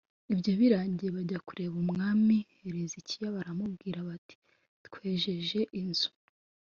Ibyo birangiye bajya kureba umwami Hezekiya baramubwira bati twejeje inzu